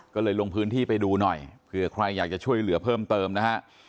ก็เลยลงพื้นที่ไปดูหน่อยเผื่อใครอยากจะช่วยเหลือเพิ่มเติมนะฮะ